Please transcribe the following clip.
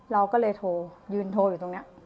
เราก็เลยโทรยืนโทรอยู่ตรงนี้